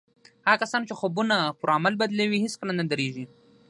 هغه کسان چې خوبونه پر عمل بدلوي هېڅکله نه درېږي.